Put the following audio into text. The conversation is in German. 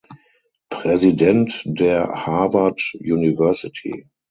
Präsident der Harvard University.